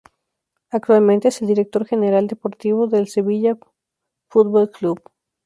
Actualmente es el Director General Deportivo del Sevilla Fútbol Club.